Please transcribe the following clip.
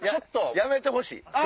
やめてほしい。